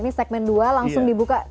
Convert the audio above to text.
ini segmen dua langsung dibuka